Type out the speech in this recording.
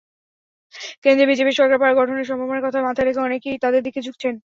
কেন্দ্রে বিজেপির সরকার গঠনের সম্ভাবনার কথা মাথায় রেখে অনেকেই তাদের দিকে ঝুঁকেছেন।